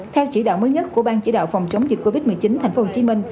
theo chỉ đạo mới nhất của bang chỉ đạo phòng chống dịch covid một mươi chín tp hcm